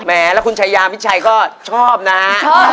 และคุณชัยาพิชัยก็ชอบนะ